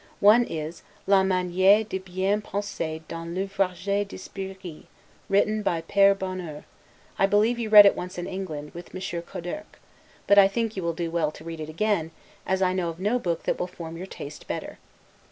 One is, 'La Maniere de bien penser dans les Ouvrages d'Esprit', written by Pere Bouhours; I believe you read it once in England, with Monsieur Coderc; but I think that you will do well to read it again, as I know of no book that will form your taste better.